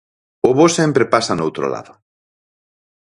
O bo sempre pasa noutro lado.